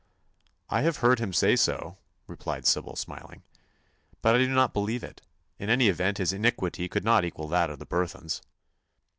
"I have heard him say so," replied Sybil, smiling, "but I do not believe it. In any event his iniquity could not equal that of the Burthons."